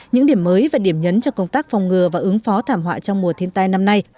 những điểm mới và điểm nhấn cho công tác phòng ngừa và ứng phó thảm họa trong mùa thiên tai năm nay